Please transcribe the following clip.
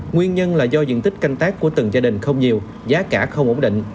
nguyên nhân là do diện tích canh tác của từng gia đình không nhiều giá cả không ổn định